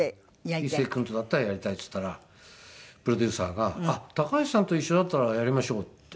一生君とだったらやりたいって言ったらプロデューサーが「高橋さんと一緒だったらやりましょう」って。